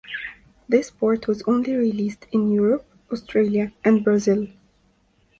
This port was only released in Europe, Australia and Brazil.